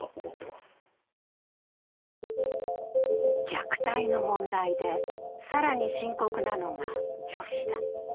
虐待の問題で更に深刻なのが女子だ。